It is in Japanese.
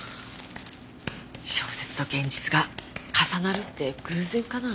小説と現実が重なるって偶然かな？